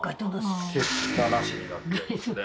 結果なしになってますね。